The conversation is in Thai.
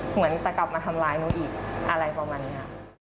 เหมือนจะกลับมาทำร้ายหนูอีกอะไรประมาณนี้ค่ะ